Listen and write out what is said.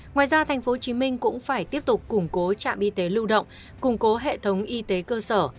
ngoài ra tp hcm cũng phải tiếp tục củng cố trạm y tế lưu động củng cố hệ thống y tế cơ sở